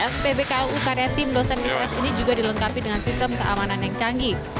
spbklu karena tim dosen listrik ini juga dilengkapi dengan sistem keamanan yang canggih